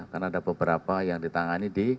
karena ada beberapa yang ditangani di